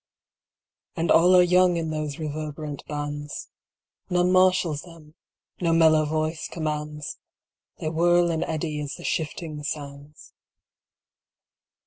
And all are young in those reverberant bands; None marshals them, no mellow voice commands; They whirl and eddy as the shifting sands.